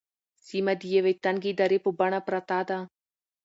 سیمه د یوې تنگې درې په بڼه پرته ده.